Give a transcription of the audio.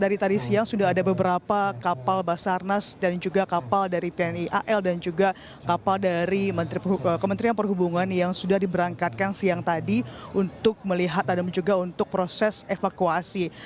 dari tadi siang sudah ada beberapa kapal basarnas dan juga kapal dari pni al dan juga kapal dari kementerian perhubungan yang sudah diberangkatkan siang tadi untuk melihat dan juga untuk proses evakuasi